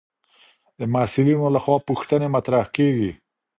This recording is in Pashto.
د محصلینو لخوا پوښتنې مطرح کېږي.